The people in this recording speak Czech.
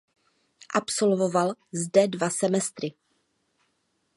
Absolvoval zde dva semestry.